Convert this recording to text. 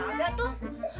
gak ada tuh